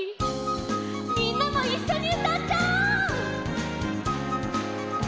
みんなもいっしょにうたっちゃおう！